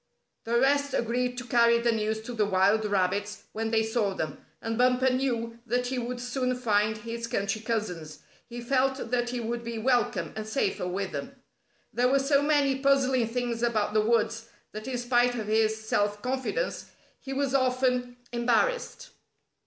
The rest agreed to carry the news to the wild rabbits when they saw them, and Bumper knew that he would soon find his country cousins. He felt that he would be welcome, and safer with them. There were so many puzzling things about the woods that, in spite of his self confidence, he was often embarrassed.